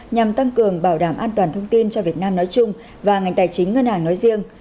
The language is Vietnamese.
nhằm tăng cường bảo đảm an toàn thông tin cho việt nam nói chung và ngành tài chính ngân hàng nói riêng